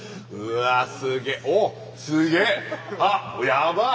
やばい！